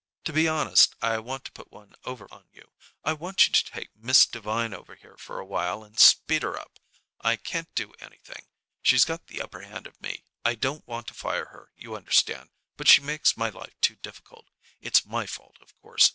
To be honest, I want to put one over on you. I want you to take Miss Devine over here for a while and speed her up. I can't do anything. She's got the upper hand of me. I don't want to fire her, you understand, but she makes my life too difficult. It's my fault, of course.